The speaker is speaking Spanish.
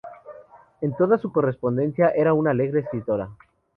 En toda su correspondencia era una alegre escritora.